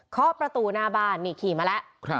ขอประตูหน้าบ้านนี่ขี่มาแล้ว